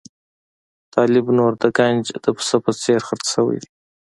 طالب نور د ګنج د پسه په څېر خرڅ شوی دی.